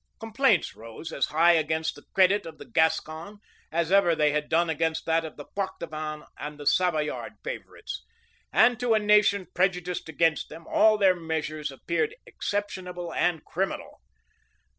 [] Complaints rose as high against the credit of the Gascon, as ever they had done against that of the Poictevin and of the Savoyard favorites; and to a nation prejudiced against them, all their measures appeared exceptionable and criminal.